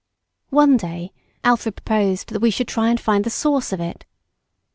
One day Alfred proposed that we should try and find the source of it.